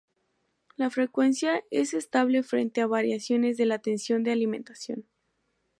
La frecuencia es estable frente a variaciones de la tensión de alimentación.